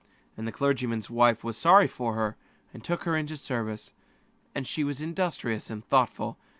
The pastor's wife had pity on her, and took her into service. And she was industrious and thoughtful.